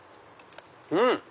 うん！